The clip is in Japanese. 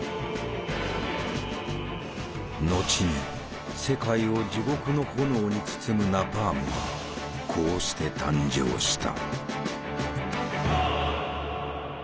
後に世界を地獄の炎に包むナパームはこうして誕生した。